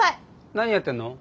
何やってんの？